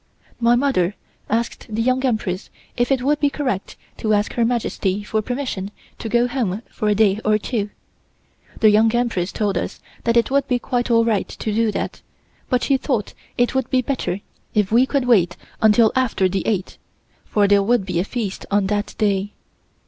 My mother asked the Young Empress if it would be correct to ask Her Majesty for permission to go home for a day or two. The Young Empress told us that it would be quite all right to do that, but she thought it would be better if we could wait until after the eighth, for there would be a feast on that day.